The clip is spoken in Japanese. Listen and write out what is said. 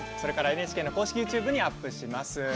ＮＨＫの公式ＹｏｕＴｕｂｅにアップします。